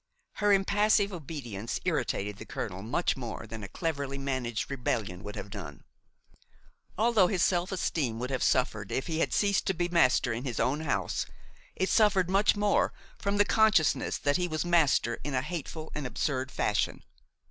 Her impassive obedience irritated the colonel much more than a cleverly managed rebellion would have done. Although his self esteem would have suffered if he had ceased to be master in his own house, it suffered much more from the consciousness that he was master in a hateful and absurd fashion.